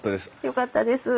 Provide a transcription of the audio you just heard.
よかったです。